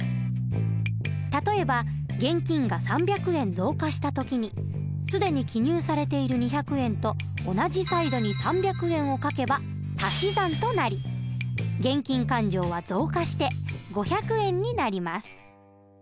例えば現金が３００円増加した時に既に記入されている２００円と同じサイドに３００円を書けば足し算となり現金勘定は増加して５００円になります。